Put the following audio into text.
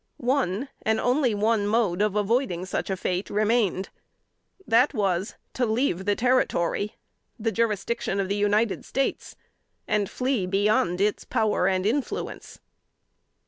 One, and only one, mode of avoiding such a fate remained that was, to leave the territory, the jurisdiction of the United States, and flee beyond its power and influence.